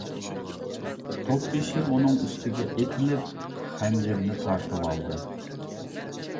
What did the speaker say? توپ بېشى ئۇنىڭ ئۈستىگە ئېتىلىپ خەنجىرىنى تارتىۋالدى.